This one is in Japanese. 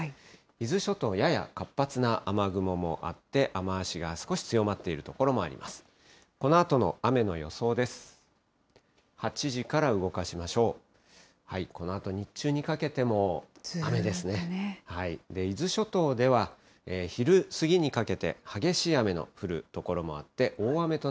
伊豆諸島、やや活発な雨雲もあって、雨足が少し強まっている所もあります。